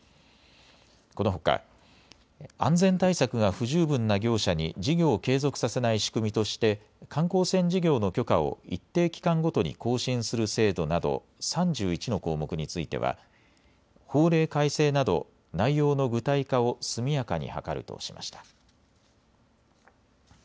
このほか安全対策が不十分な業者に事業を継続させない仕組みとして観光船事業の許可を一定期間ごとに更新する制度など３１の項目については法令改正など、内容の具体化を速やかに図るとしました。